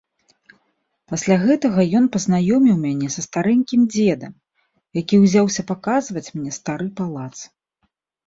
Пасля гэтага ён пазнаёміў мяне са старэнькім дзедам, які ўзяўся паказваць мне стары палац.